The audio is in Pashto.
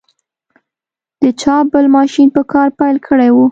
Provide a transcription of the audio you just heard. د چاپ بل ماشین په کار پیل کړی و.